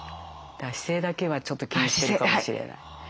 姿勢だけはちょっと気にしてるかもしれない。